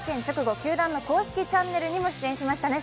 球団の公式チャンネルにも出演しました。